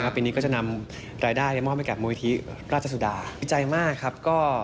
ปีนี้ก็จะนำรายได้รัฐสดาจะมาก